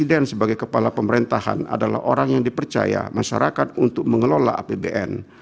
presiden sebagai kepala pemerintahan adalah orang yang dipercaya masyarakat untuk mengelola apbn